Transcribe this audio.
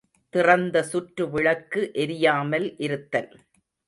திறந்த சுற்று விளக்கு எரியாமல் இருத்தல்.